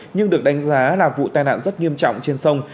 nhưng được đánh giá là vụ tai nạn rất nghiêm trọng trên sông